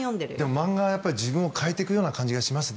漫画は自分を変えていくような感じがします。